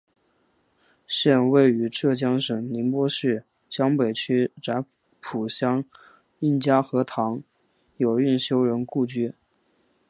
现位于浙江省宁波市江北区乍浦乡应家河塘有应修人故居。